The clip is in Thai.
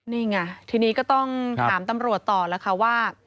นี่ไงทีนี้ก็ต้องถามตำรวจต่อแล้วค่ะว่า